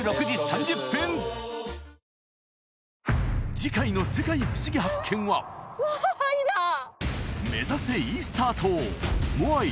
次回の「世界ふしぎ発見！」は目指せイースター島モアイ